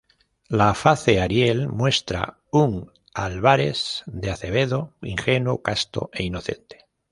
La Face Ariel muestra un Álvares de Azevedo ingenuo, casto e inocente.